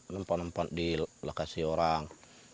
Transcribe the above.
nampak nampak di lokasi orang